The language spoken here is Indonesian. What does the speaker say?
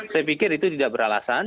saya pikir itu tidak beralasan